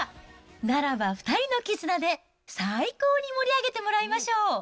ならば２人の絆で、最高に盛り上げてもらいましょう。